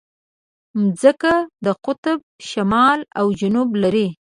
مځکه د قطب شمال او جنوب لري.